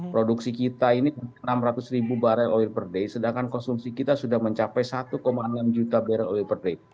produksi kita ini enam ratus ribu barrel oil per day sedangkan konsumsi kita sudah mencapai satu enam juta barrel oil per day